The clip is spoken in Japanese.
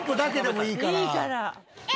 いいから。